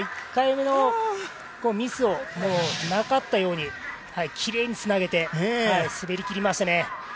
１回目のミスをなかったようにきれいにつなげて滑りきりましたね。